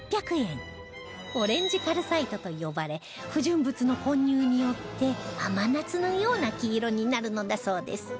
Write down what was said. オレンジカルサイトと呼ばれ不純物の混入によって甘夏のような黄色になるのだそうです